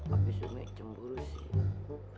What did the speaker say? abis umi cemburu sih